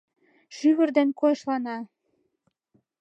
Шӱвыр ден койышлана.